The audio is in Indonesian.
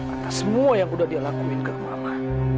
atas semua yang udah dia lakuin ke mama